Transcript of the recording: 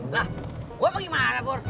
lah gue pergi mana pur